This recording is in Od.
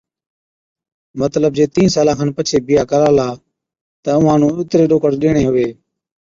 مطلب جي تينھين سالان کن پڇي بِيھا ڪرالا تہ اُونھان نُون اُتري ڏوڪڙ ڏيڻي ھُوي۔